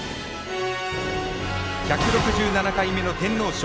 １６７回目の天皇賞。